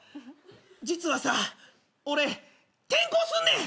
実はさ俺転校すんねん！